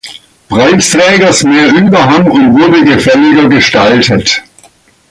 Preisträgers mehr Überhang und wurde gefälliger gestaltet.